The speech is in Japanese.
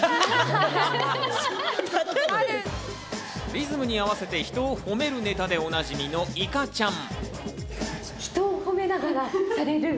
リズムに合わせて人を褒めるネタでおなじみのイカちゃん。